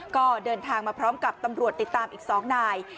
ก็เดินทางมาพร้อมกับตำรวจติดตามอีก๒นาย